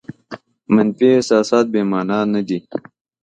منفي احساسات بې مانا نه دي.